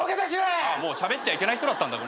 しゃべっちゃいけない人だったんだ。